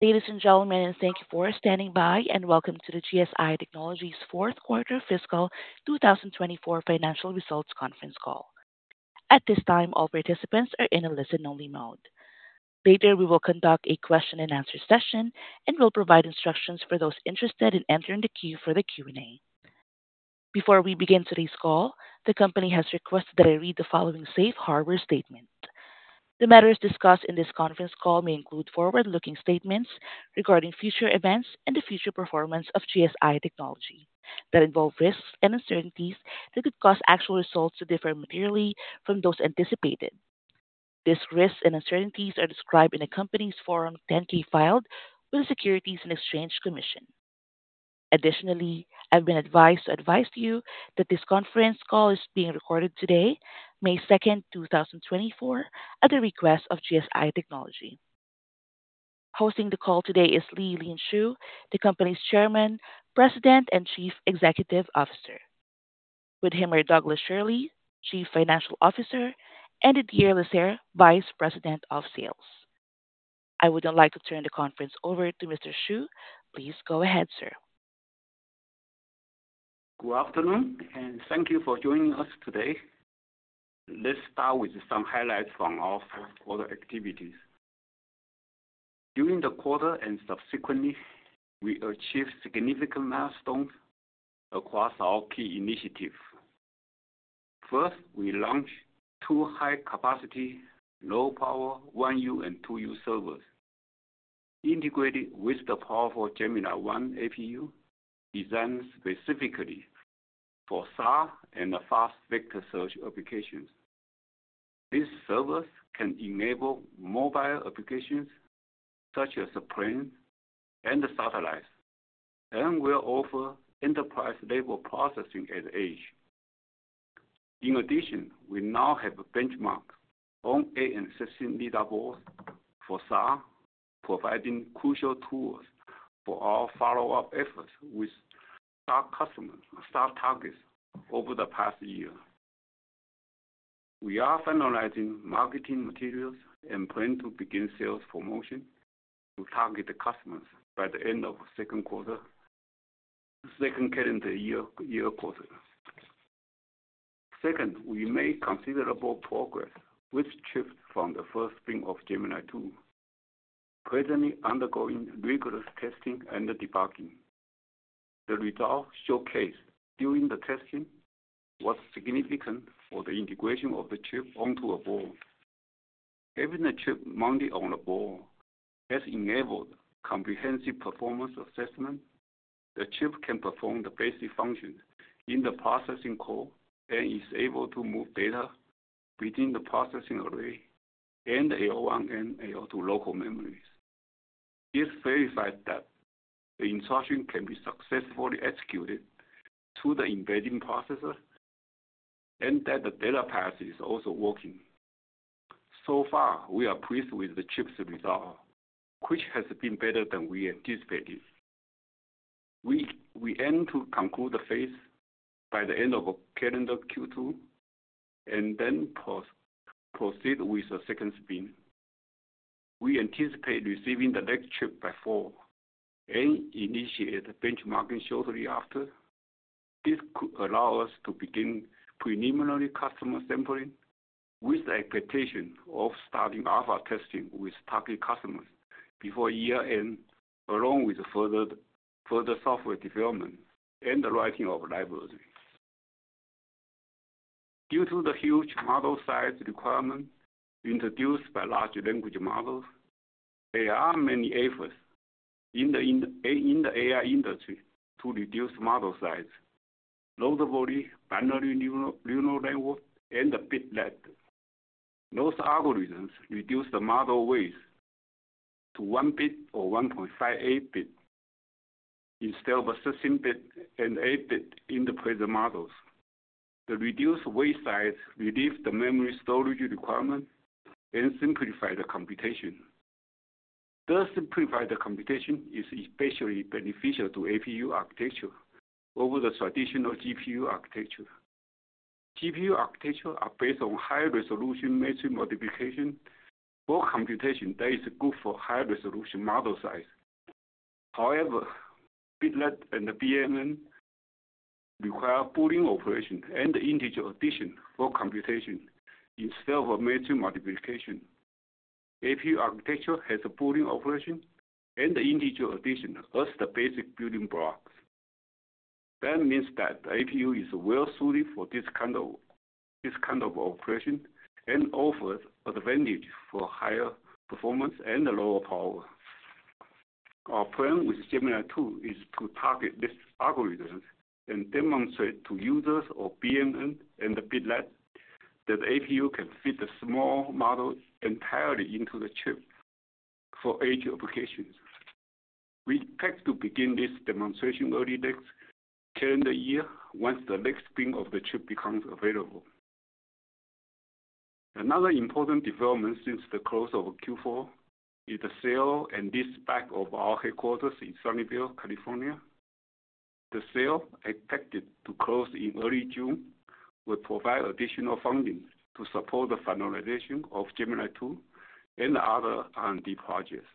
Ladies and gentlemen, thank you for standing by, and welcome to the GSI Technology's fourth quarter fiscal 2024 financial results conference call. At this time, all participants are in a listen-only mode. Later, we will conduct a question-and-answer session, and we'll provide instructions for those interested in entering the queue for the Q&A. Before we begin today's call, the company has requested that I read the following safe harbor statement. The matters discussed in this conference call may include forward-looking statements regarding future events and the future performance of GSI Technology, that involve risks and uncertainties that could cause actual results to differ materially from those anticipated. These risks and uncertainties are described in the company's Form 10-K filed with the Securities and Exchange Commission. Additionally, I've been advised to advise you that this conference call is being recorded today, May 2nd, 2024, at the request of GSI Technology. Hosting the call today is Lee-Lean Shu, the company's Chairman, President, and Chief Executive Officer. With him are Douglas Schirle, Chief Financial Officer, and Didier Lasserre, Vice President of Sales. I would now like to turn the conference over to Mr. Shu. Please go ahead, sir. Good afternoon, and thank you for joining us today. Let's start with some highlights from our fourth quarter activities. During the quarter and subsequently, we achieved significant milestones across our key initiatives. First, we launched 2 high-capacity, low-power, 1U and 2U servers, integrated with the powerful Gemini-I APU, designed specifically for SaaS and fast vector search applications. These servers can enable mobile applications such as plane and satellite, and will offer enterprise-level processing at edge. In addition, we now have a benchmark on ANSYS lead boards for SaaS, providing crucial tools for our follow-up efforts with our customers, our SaaS targets over the past year. We are finalizing marketing materials and plan to begin sales promotion to target the customers by the end of second quarter, second calendar year, year quarter. Second, we made considerable progress with chips from the first spin of Gemini-II, presently undergoing rigorous testing and debugging. The results showcased during the testing was significant for the integration of the chip onto a board. Having a chip mounted on a board has enabled comprehensive performance assessment. The chip can perform the basic functions in the processing core and is able to move data between the processing array and the L1 and L2 local memories. It verifies that the instruction can be successfully executed through the embedding processor and that the data path is also working. So far, we are pleased with the chip's result, which has been better than we anticipated. We aim to conclude the phase by the end of calendar Q2, and then proceed with the second spin. We anticipate receiving the next chip by fall and initiate benchmarking shortly after. This could allow us to begin preliminary customer sampling with the expectation of starting alpha testing with target customers before year-end, along with further, further software development and the writing of libraries. Due to the huge model size requirement introduced by large language models, there are many efforts in the AI industry to reduce model size, notably binary neural networks and the bit-level. Those algorithms reduce the model weight to 1 bit or 1.58 bit, instead of a 16-bit and 8-bit in the present models. The reduced weight size relieves the memory storage requirement and simplifies the computation. Thus, simplify the computation is especially beneficial to APU architecture over the traditional GPU architecture. GPU architecture are based on high-resolution matrix multiplication for computation that is good for high-resolution model size. However, bit-level and the BNN require pooling operation and integer addition for computation instead of matrix multiplication. APU architecture has a pooling operation and the integer addition as the basic building blocks. That means that the APU is well suited for this kind of, this kind of operation and offers advantage for higher performance and lower power. Our plan with Gemini-II is to target these algorithms and demonstrate to users of BNN and the bit-level, that APU can fit a small model entirely into the chip for edge applications. We expect to begin this demonstration early next calendar year, once the next spin of the chip becomes available. Another important development since the close of Q4 is the sale and leaseback of our headquarters in Sunnyvale, California. The sale, expected to close in early June, will provide additional funding to support the finalization of Gemini-II and other R&D projects.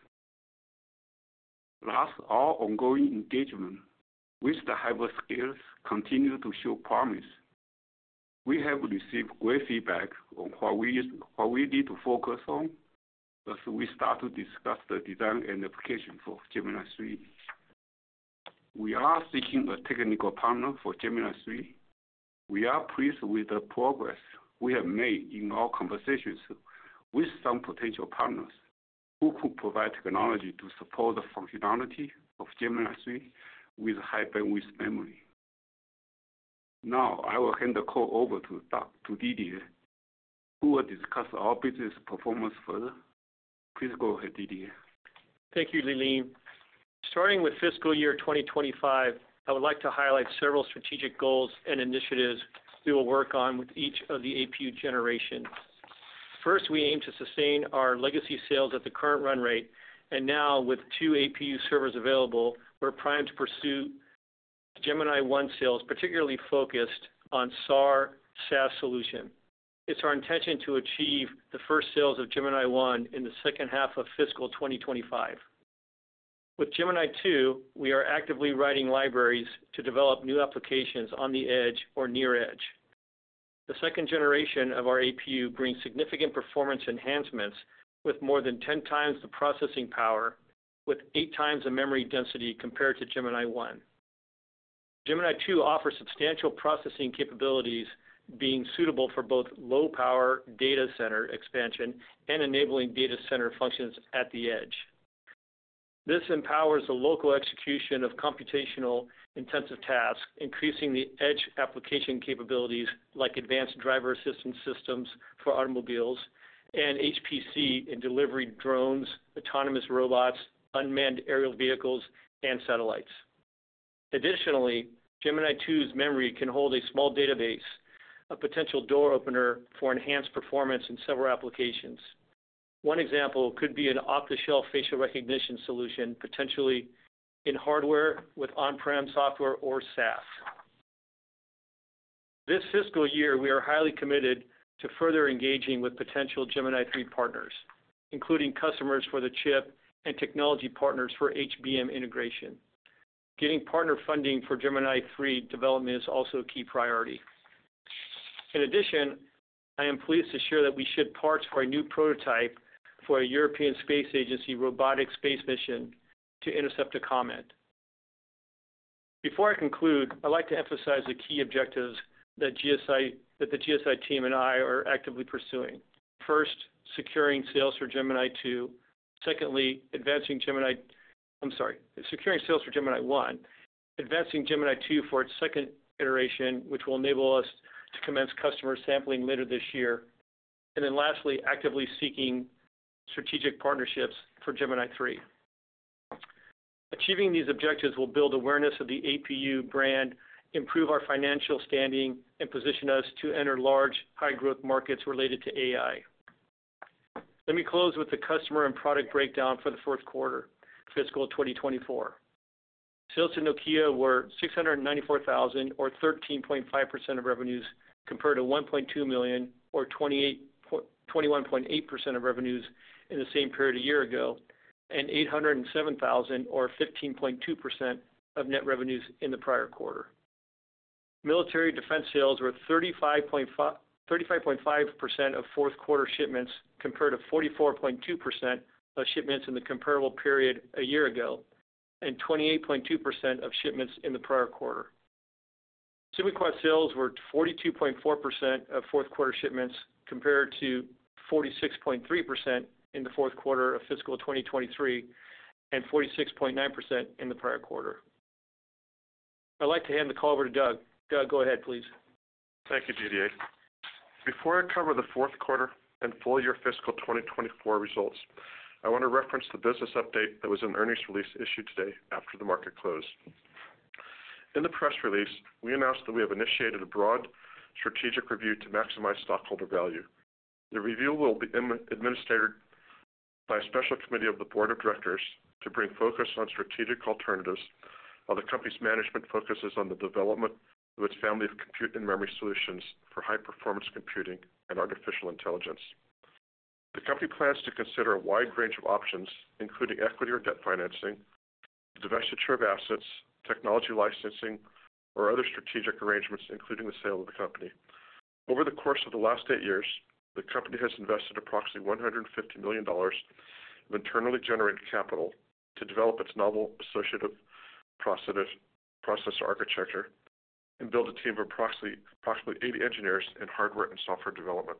Last, our ongoing engagement with the hyperscalers continue to show promise. We have received great feedback on what we need to focus on as we start to discuss the design and application for Gemini-III. We are seeking a technical partner for Gemini-III. We are pleased with the progress we have made in our conversations with some potential partners who could provide technology to support the functionality of Gemini-III with high-bandwidth memory. Now, I will hand the call over to Doug, to Didier, who will discuss our business performance further. Please go ahead, Didier. Thank you, Lee-Lean. Starting with fiscal year 2025, I would like to highlight several strategic goals and initiatives we will work on with each of the APU generations. First, we aim to sustain our legacy sales at the current run rate, and now with two APU servers available, we're primed to pursue Gemini-I sales, particularly focused on SAR/SaaS solution. It's our intention to achieve the first sales of Gemini-I in the second half of fiscal 2025. With Gemini-II, we are actively writing libraries to develop new applications on the edge or near edge. The second generation of our APU brings significant performance enhancements with more than 10x the processing power, with 8 times the memory density compared to Gemini-I. Gemini-II offers substantial processing capabilities, being suitable for both low-power data center expansion and enabling data center functions at the edge. This empowers the local execution of computational-intensive tasks, increasing the edge application capabilities like advanced driver assistance systems for automobiles and HPC in delivery drones, autonomous robots, unmanned aerial vehicles, and satellites. Additionally, Gemini-II memory can hold a small database, a potential door opener for enhanced performance in several applications. One example could be an off-the-shelf facial recognition solution, potentially in hardware with on-prem software or SaaS. This is the year, we are highly committed to further engaging with potential Gemini-III partners, including customers for the chip and technology partners for HBM integration. Getting partner funding for Gemini-III development is also a key priority. In addition, I am pleased to share that we shipped parts for a new prototype for a European Space Agency robotic space mission to intercept a comet. Before I conclude, I'd like to emphasize the key objectives that the GSI team and I are actively pursuing. First, securing sales for Gemini-I, advancing Gemini-II for its second iteration, which will enable us to commence customer sampling later this year. And then lastly, actively seeking strategic partnerships for Gemini-III. Achieving these objectives will build awareness of the APU brand, improve our financial standing, and position us to enter large, high-growth markets related to AI. Let me close with the customer and product breakdown for the fourth quarter, fiscal 2024. Sales to Nokia were $694 thousand, or 13.5% of revenues, compared to $1.2 million, or 21.8% of revenues in the same period a year ago, and $807 thousand, or 15.2% of net revenues in the prior quarter. Military defense sales were 35.5% of fourth quarter shipments, compared to 44.2% of shipments in the comparable period a year ago, and 28.2% of shipments in the prior quarter. Semi-custom sales were 42.4% of fourth quarter shipments, compared to 46.3% in the fourth quarter of fiscal 2023, and 46.9% in the prior quarter. I'd like to hand the call over to Doug. Doug, go ahead, please. Thank you, Didier. Before I cover the fourth quarter and full year fiscal 2024 results, I want to reference the business update that was in the earnings release issued today after the market closed. In the press release, we announced that we have initiated a broad strategic review to maximize stockholder value. The review will be administered by a special committee of the board of directors to bring focus on strategic alternatives while the company's management focuses on the development of its family of compute and memory solutions for high-performance computing and artificial intelligence. The company plans to consider a wide range of options, including equity or debt financing, divestiture of assets, technology licensing, or other strategic arrangements, including the sale of the company. Over the course of the last eight years, the company has invested approximately $150 million of internally generated capital to develop its novel associative processor architecture and build a team of approximately 80 engineers in hardware and software development.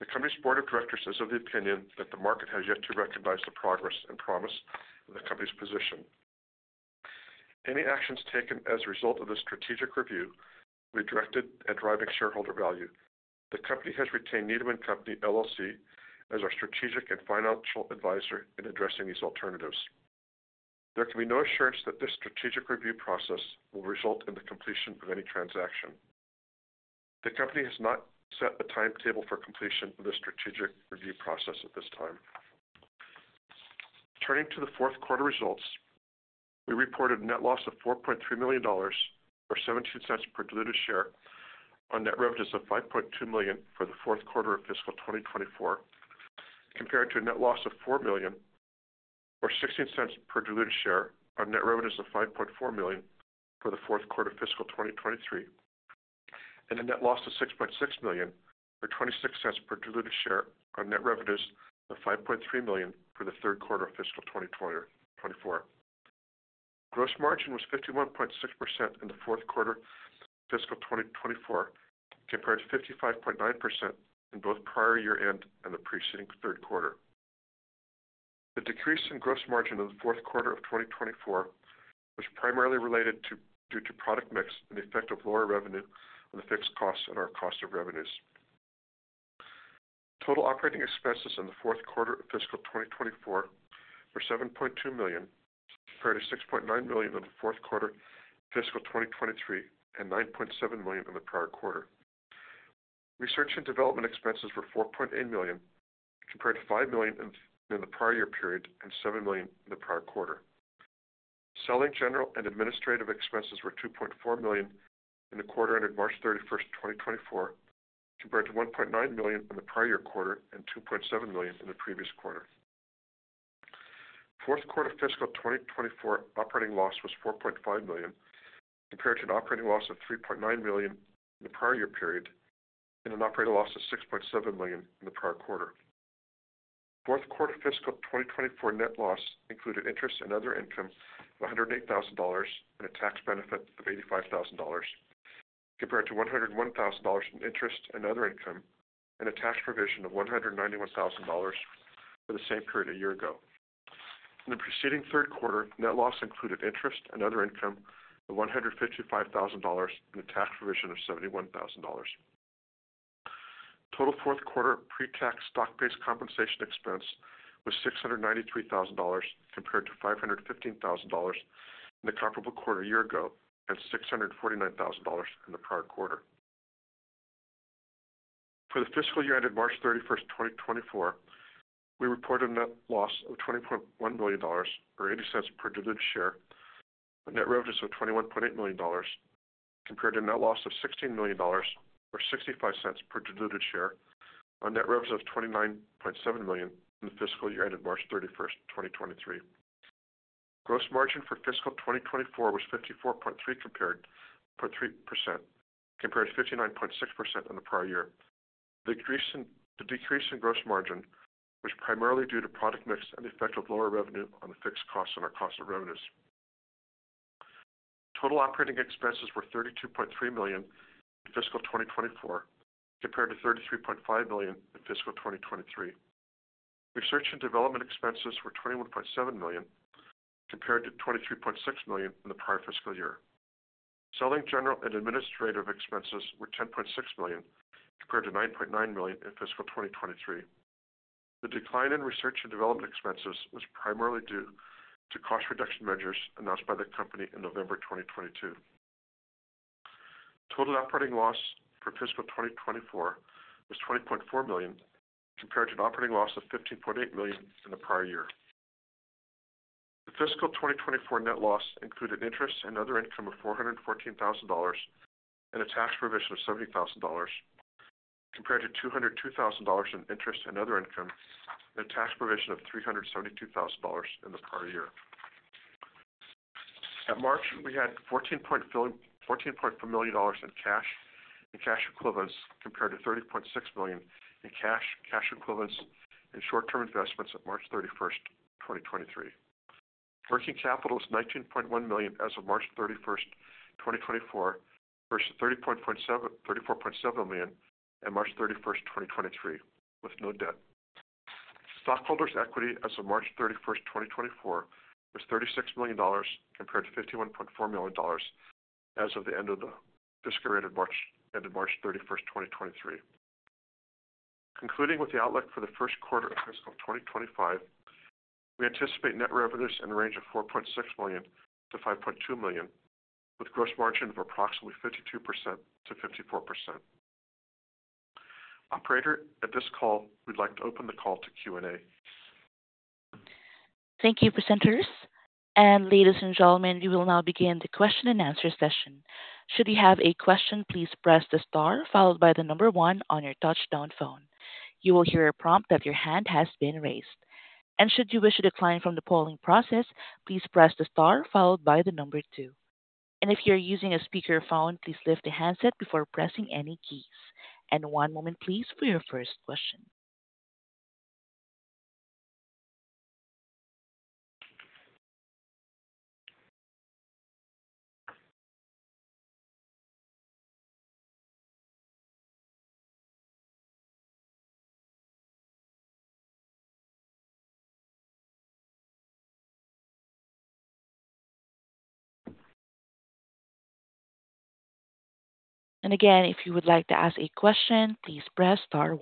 The company's board of directors is of the opinion that the market has yet to recognize the progress and promise of the company's position. Any actions taken as a result of this strategic review will be directed at driving shareholder value. The company has retained Needham and Company, LLC, as our strategic and financial advisor in addressing these alternatives. There can be no assurance that this strategic review process will result in the completion of any transaction. The company has not set a timetable for completion of the strategic review process at this time. Turning to the fourth quarter results, we reported net loss of $4.3 million or $0.17 per diluted share on net revenues of $5.2 million for the fourth quarter of fiscal 2024, compared to a net loss of $4 million or $0.16 per diluted share on net revenues of $5.4 million for the fourth quarter fiscal 2023, and a net loss of $6.6 million or $0.26 per diluted share on net revenues of $5.3 million for the third quarter of fiscal 2024. Gross margin was 51.6% in the fourth quarter fiscal 2024, compared to 55.9% in both prior year-end and the preceding third quarter. The decrease in gross margin in the fourth quarter of 2024 was primarily related to, due to product mix and the effect of lower revenue on the fixed costs and our cost of revenues. Total operating expenses in the fourth quarter of fiscal 2024 were $7.2 million, compared to $6.9 million in the fourth quarter fiscal 2023 and $9.7 million in the prior quarter. Research and development expenses were $4.8 million, compared to $5 million in the prior year period and $7 million in the prior quarter. Selling general and administrative expenses were $2.4 million in the quarter ended March 31, 2024, compared to $1.9 million in the prior year quarter and $2.7 million in the previous quarter. Fourth quarter fiscal 2024 operating loss was $4.5 million, compared to an operating loss of $3.9 million in the prior year period, and an operating loss of $6.7 million in the prior quarter. Fourth quarter fiscal 2024 net loss included interest and other income of $108 thousand and a tax benefit of $85 thousand, compared to $101 thousand in interest and other income, and a tax provision of $191 thousand for the same period a year ago. In the preceding third quarter, net loss included interest and other income of $155 thousand, and a tax provision of $71 thousand. Total fourth quarter pre-tax stock-based compensation expense was $693,000, compared to $515,000 in the comparable quarter a year ago, and $649,000 in the prior quarter. For the fiscal year ended March 31, 2024, we reported a net loss of $20.1 million or $0.80 per diluted share, on net revenues of $21.8 million, compared to a net loss of $16 million or $0.65 per diluted share on net revenues of $29.7 million in the fiscal year ended March 31, 2023. Gross margin for fiscal 2024 was 54.3%, compared to 59.6% in the prior year. The decrease in gross margin was primarily due to product mix and the effect of lower revenue on the fixed cost and our cost of revenues. Total operating expenses were $32.3 million in fiscal 2024, compared to $33.5 million in fiscal 2023. Research and development expenses were $21.7 million, compared to $23.6 million in the prior fiscal year. Selling general and administrative expenses were $10.6 million, compared to $9.9 million in fiscal 2023. The decline in research and development expenses was primarily due to cost reduction measures announced by the company in November 2022. Total operating loss for fiscal 2024 was $20.4 million, compared to an operating loss of $15.8 million in the prior year. The fiscal 2024 net loss included interest and other income of $414,000 and a tax provision of $70,000, compared to $202,000 in interest and other income, and a tax provision of $372,000 in the prior year. At March, we had $14.4 million in cash and cash equivalents, compared to $30.6 million in cash, cash equivalents and short-term investments at March 31, 2023. Working capital is $19.1 million as of March 31, 2024, versus $34.7 million on March 31, 2023, with no debt. Stockholders' equity as of March 31, 2024, was $36 million, compared to $51.4 million as of the end of the fiscal year ended March, ended March 31, 2023. Concluding with the outlook for the first quarter of fiscal 2025, we anticipate net revenues in the range of $4.6 million-$5.2 million, with gross margin of approximately 52%-54%. Operator, at this call, we'd like to open the call to Q&A. Thank you, presenters. Ladies and gentlemen, we will now begin the question-and-answer session. Should you have a question, please press the star followed by the number one on your touch-tone phone. You will hear a prompt that your hand has been raised. Should you wish to decline from the polling process, please press the star followed by the number two. If you're using a speakerphone, please lift the handset before pressing any keys. One moment, please, for your first question. Again, if you would like to ask a question, please press star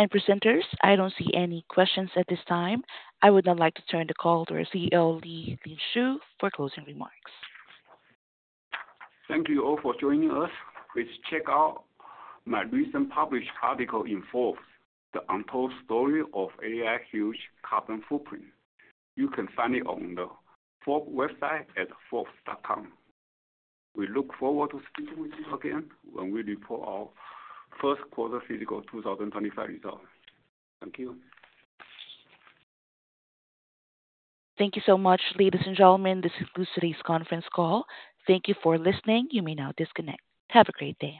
one. Presenters, I don't see any questions at this time. I would now like to turn the call to our CEO, Lee-Lean Shu, for closing remarks. Thank you all for joining us. Please check out my recent published article in Forbes, "The Untold Story of AI's Huge Carbon Footprint." You can find it on the Forbes website at forbes.com. We look forward to speaking with you again when we report our first quarter fiscal 2025 results. Thank you. Thank you so much, ladies and gentlemen. This concludes today's conference call. Thank you for listening. You may now disconnect. Have a great day.